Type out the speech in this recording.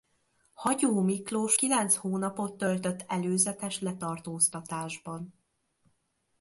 Hagyó Miklós kilenc hónapot töltött előzetes letartóztatásban.